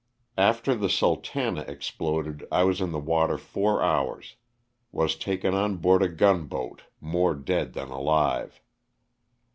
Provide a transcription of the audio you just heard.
After the " Sultana '' exploded I was in the water four hours. Was taken on board a gun boat, more dead than alive.